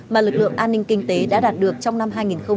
mà lực lượng an ninh kinh tế đã đạt được trong năm hai nghìn một mươi chín